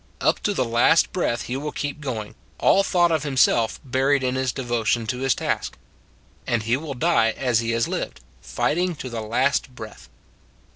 Up to the last breath he will keep going, all thought of himself buried in his devotion to his task; and he will die as he has lived, fighting to the last breath.